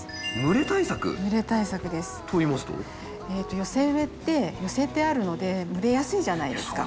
寄せ植えって寄せてあるので蒸れやすいじゃないですか。